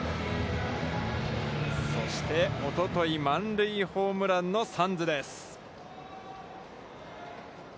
そして、おととい満塁ホームランのサンズです。